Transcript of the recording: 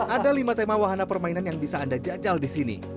ada lima tema wahana permainan yang bisa anda jajal di sini